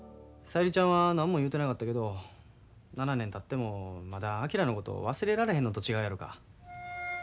小百合ちゃんは何も言うてなかったけど７年たってもまだ昭のことを忘れられへんのと違うやろか。